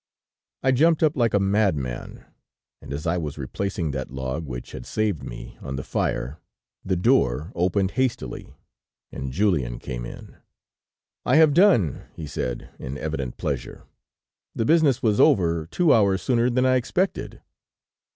"I jumped up like a madman, and as I was replacing that log which had saved me, on the fire, the door opened hastily, and Julien came in. "'I have done,' he said, in evident pleasure. 'The business was over two hours sooner than I expected!'